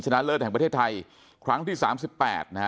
คุณยายบอกว่ารู้สึกเหมือนใครมายืนอยู่ข้างหลัง